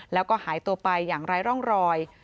แล้วก็หายตัวไปอย่างไร้ร่องรอย